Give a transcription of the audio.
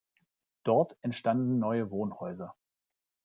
Dort entstanden neue Wohnhäuser.